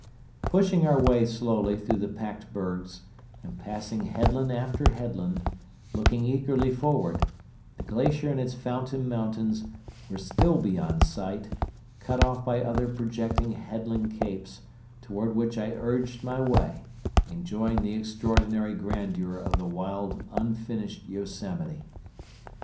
Pushing our way slowly through the packed bergs, and passing headland after headland, looking eagerly forward, the glacier and its fountain mountains were still beyond sight, cut off by other projecting headland capes, toward which I urged my way, enjoying the extraordinary grandeur of the wild unfinished Yosemite.